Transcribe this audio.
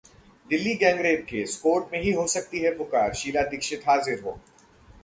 Delhi gang rape case court में हो सकती है पुकार, शीला दीक्षित हाजिर हों